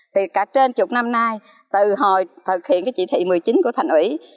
thì cả trên chục năm nay từ hồi thực hiện cái chỉ thị một mươi chín của thành ủy